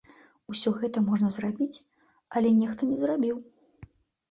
Усё гэта можна зрабіць, але нехта не зрабіў.